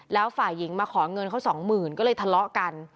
แล้วฝ่ายหญิงมาขอเงินเขาสองหมื่นก็เลยทะเลาะกัน